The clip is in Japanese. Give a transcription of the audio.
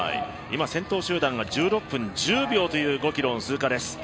先頭集団が１６分１０秒という５ｋｍの通過です。